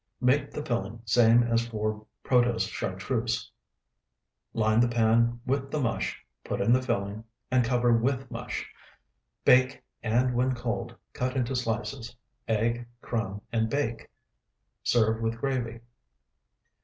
Make the filling same as for protose chartreuse; line the pan with the mush, put in the filling, and cover with mush. Bake, and when cold cut into slices, egg, crumb, and bake. Serve with gravy.